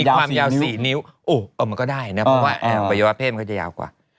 ความยาว๔นิ้วมันก็ได้นะเพราะว่าอวัยวะเพศมันก็จะยาวกว่า